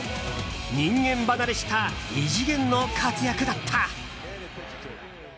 人間離れした異次元の活躍だった。